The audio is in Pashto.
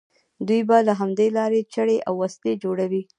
دوی به له همدې لارې چړې او وسلې جوړولې.